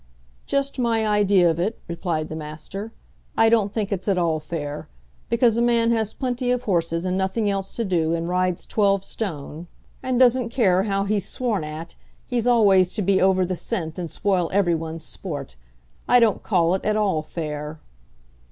"Just my idea of it," replied the Master. "I don't think it's at all fair. Because a man has plenty of horses, and nothing else to do, and rides twelve stone, and doesn't care how he's sworn at, he's always to be over the scent, and spoil every one's sport. I don't call it at all fair."